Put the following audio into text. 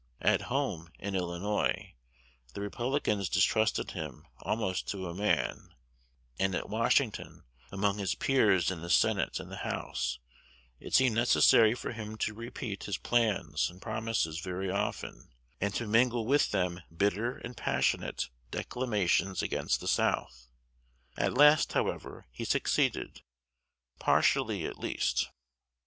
At home, in Illinois, the Republicans distrusted him almost to a man; and at Washington, among his peers in the Senate and the House, it seemed necessary for him to repeat his plans and promises very often, and to mingle with them bitter and passionate declamations against the South. At last, however, he succeeded, partially, at least.